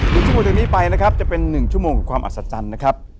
ชั่วโมงจากนี้ไปนะครับจะเป็น๑ชั่วโมงของความอัศจรรย์นะครับ